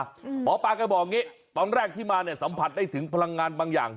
หมอปลาแกบอกอย่างนี้ตอนแรกที่มาเนี่ยสัมผัสได้ถึงพลังงานบางอย่าง